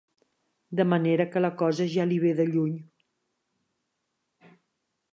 De manera que la cosa ja li ve de lluny.